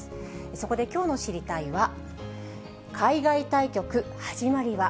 そこできょうの知りたいッ！は、海外対局始まりは。